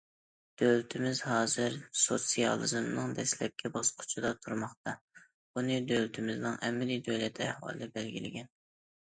دۆلىتىمىز ھازىر سوتسىيالىزمنىڭ دەسلەپكى باسقۇچىدا تۇرماقتا، بۇنى دۆلىتىمىزنىڭ ئەمەلىي دۆلەت ئەھۋالى بەلگىلىگەن.